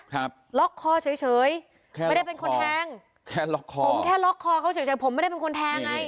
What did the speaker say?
ครับล็อกคอเฉยเฉยครับไม่ได้เป็นคนแทงแค่ล็อกคอผมแค่ล็อกคอเขาเฉยเฉยผมไม่ได้เป็นคนแทงไง